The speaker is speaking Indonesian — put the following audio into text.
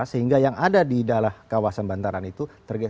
sehingga yang ada di dalam kawasan bantaran itu